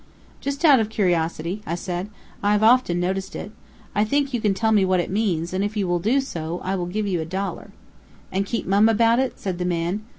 "Just out of curiosity," I said; "I have often noticed it. I think you can tell me what it means, and if you will do so, I'll give you a dollar." "And keep mum about it?" said the man.